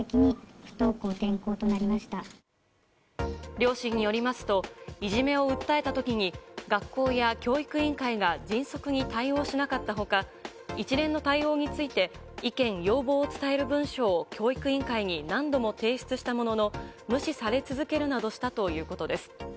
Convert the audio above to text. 両親によりますと、いじめを訴えたときに学校や教育委員会が迅速に対応しなかった他、一連の対応について意見・要望を伝える文書を教育委員会に何度も提出したものの、無視され続けるなどしたということです。